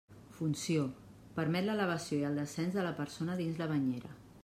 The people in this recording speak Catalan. Funció: permet l'elevació i el descens de la persona dins la banyera.